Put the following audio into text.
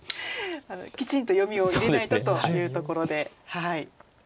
きちんと読みを入れないとというところで。